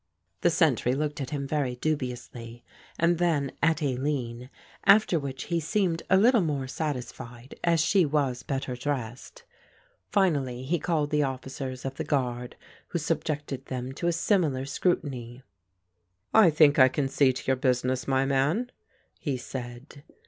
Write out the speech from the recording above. The sentry looked at him very dubiously and then at Aline, after which he seemed a little more satisfied, as she was better dressed. Finally he called the officers of the guard, who subjected them to a similar scrutiny. "I think I can see to your business, my man," he said.